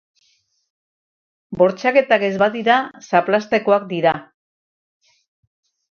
Bortxaketak ez badira, zaplastekoak dira.